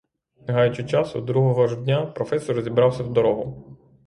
Не гаючи часу, другого ж дня професор зібрався в дорогу.